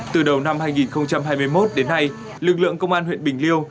từ đầu năm hai nghìn hai mươi một đến nay lực lượng công an huyện bình liêu